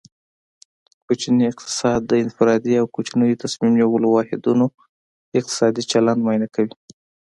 کوچنی اقتصاد د انفرادي او کوچنیو تصمیم نیولو واحدونو اقتصادي چلند معاینه کوي